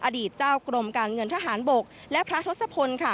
อดีตเจ้ากรมการเงินทหารบกและพระทศพล